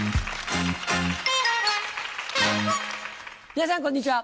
皆さんこんにちは。